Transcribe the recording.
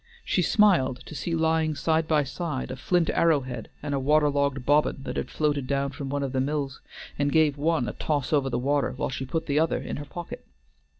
She smiled to see lying side by side a flint arrowhead and a water logged bobbin that had floated down from one of the mills, and gave one a toss over the water, while she put the other in her pocket.